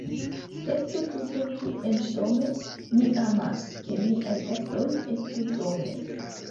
Estu tute kiel dome; mi amas, ke miaj gastoj estu dome!